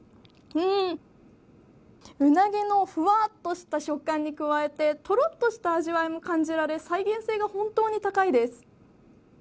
うなぎのふわっとした食感に加えてとろっとした味わいも感じられ再現性が本当に高いです。